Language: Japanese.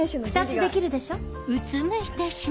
２つできるでしょ？